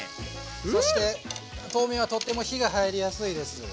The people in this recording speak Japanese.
そして豆苗はとっても火が入りやすいです。